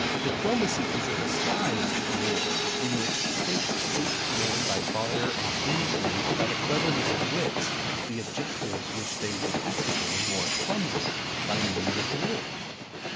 Diplomacy is a disguised war, in which States seek to gain by barter and intrigue, by the cleverness of wits, the objectives which they would have to gain more clumsily by means of war.